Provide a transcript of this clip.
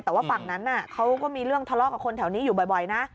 แต่ว่าฝั่งนั้นเขาก็มีเรื่องทะเลาะกับคนแถวนี้อยู่บ่อยนะ